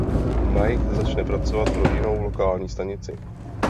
Mike začne pracovat pro jinou lokální stanici.